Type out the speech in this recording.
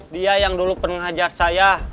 dia yang dulu penghajar saya